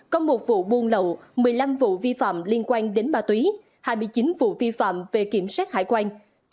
có một vụ buôn lậu một mươi năm vụ vi phạm liên quan đến ma túy hai mươi chín vụ vi phạm về kiểm soát hải quan